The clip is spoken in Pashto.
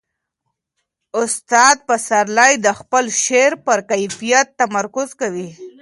استاد پسرلی د خپل شعر پر کیفیت تمرکز کوي.